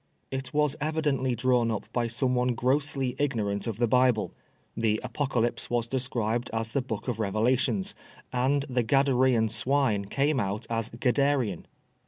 ' It was evidently drawn up by someone grossly ignorant of the Bible. The Apocalypse was described as the " Book of Revelations," and the Gadarean swine came out as Gadderean.